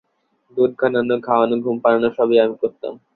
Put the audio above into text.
দুধ ঘানানো, খাওয়ানো, ঘুম পড়ানো-সবই আমি করতাম।